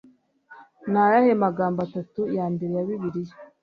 Ni ayahe magambo atatu ya mbere ya Bibiliya?